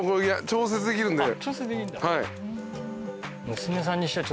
調節できるんだ。